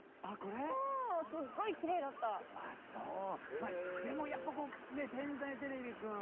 まあでもやっぱこうねっ「天才てれびくん」